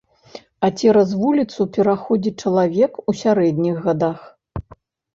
А цераз вуліцу пераходзіць чалавек у сярэдніх гадах.